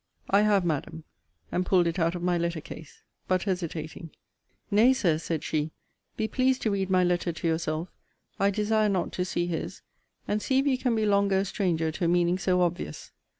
I have, Madam. And pulled it out of my letter case. But hesitating Nay, Sir, said she, be pleased to read my letter to yourself I desire not to see his and see if you can be longer a stranger to a meaning so obvious.